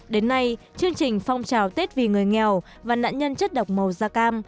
đến nay chương trình phong trào tết vì người nghèo và nạn nhân chất độc màu da cam